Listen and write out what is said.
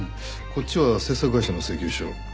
こっちは制作会社の請求書。